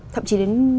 ba mươi thậm chí đến